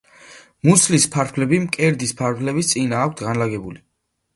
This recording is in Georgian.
მუცლის ფარფლები მკერდის ფარფლების წინა აქვთ განლაგებული.